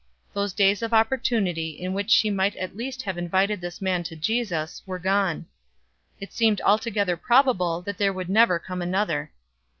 Those days of opportunity, in which she might at least have invited this man to Jesus, were gone; it seemed altogether probable that there would never come another.